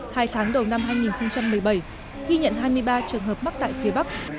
hai tháng đầu năm hai nghìn một mươi bảy ghi nhận hai mươi ba trường hợp mắc tại phía bắc